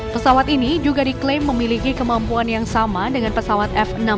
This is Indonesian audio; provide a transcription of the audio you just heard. pesawat ini juga diklaim memiliki kemampuan yang sama dengan pesawat f enam belas